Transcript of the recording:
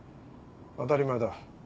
当たり前だ。